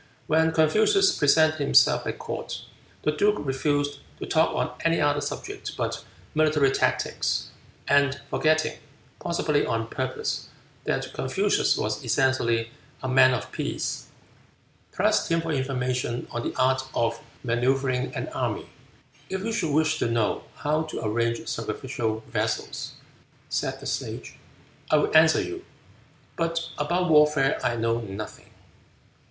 When Confucius presented himself at court, the duke refused to talk on any other subject but military tactics, and forgetting, possibly on purpose, that Confucius was essentially a man of peace, pressed him for information on the art of manoeuvreing an army. "If you should wish to know how to arrange sacrificial vessels," said the Sage, "I will answer you, but about warfare I know nothing."